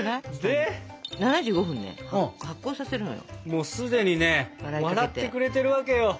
もう既にね笑ってくれてるわけよ。